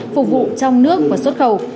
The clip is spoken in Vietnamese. phục vụ trong nước và xuất khẩu